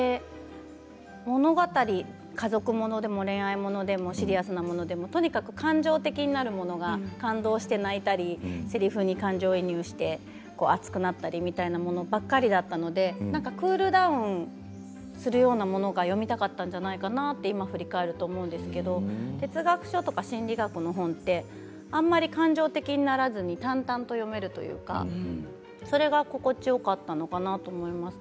物語、家族ものでも恋愛ものでもシリアスなものでもとにかく感情的なもの感動して泣いたりせりふに感情移入して熱くなったりというものばっかりだったのでクールダウンをするようなものが読みたかったんじゃないかなって今、振り返ると思うんですけど哲学書とか心理学の本ってあまり感情的にならずに淡々と読めるというかそれが心地よかったのかなと思います。